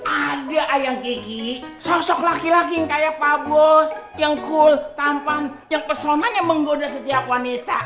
ada ayam gigi sosok laki laki yang kayak pak bos yang cool tampan yang personanya menggoda setiap wanita